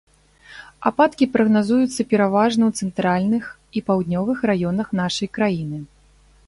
Ападкі прагназуюцца пераважна ў цэнтральных і паўднёвых раёнах нашай краіны.